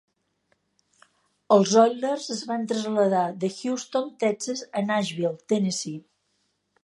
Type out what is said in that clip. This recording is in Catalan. Els Oilers es van traslladar de Houston, Texas a Nashville, Tennessee.